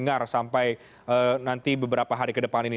nanti beberapa hari ke depan ini